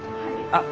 ・あっ